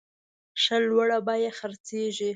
ښه لوړه بیه خرڅیږي.